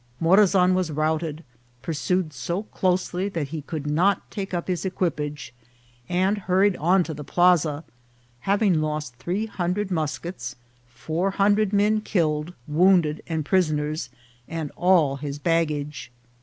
Morazan was routed, pursued so closely that he could not take up his equipage, and hur ried on to the plaza, having lost three hundred mus kets, four hundred men killed, wounded, and prisoners, and all his baggage.